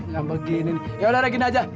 ya begini ya udah regin aja